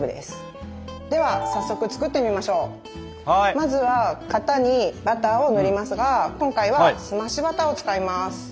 まずは型にバターを塗りますが今回は「澄ましバター」を使います。